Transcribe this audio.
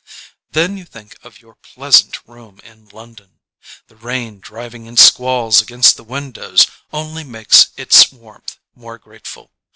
Then you think of your pleasant room in Lon don. The rain driving in squalls against the win dows only makes its warmth more grateful.